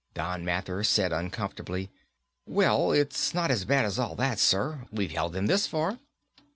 Don Mathers said uncomfortably, "Well, it's not as bad as all that, sir. We've held them this far."